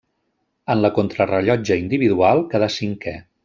En la contrarellotge individual quedà cinquè.